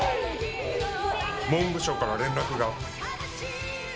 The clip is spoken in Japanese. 文部省から連絡があった。